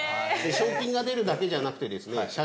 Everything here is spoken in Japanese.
賞金が出るだけじゃなくてですね社長からも。